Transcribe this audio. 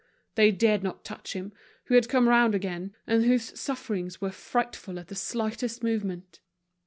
They dared not touch him, who had come round again, and whose sufferings were frightful at the slightest movement.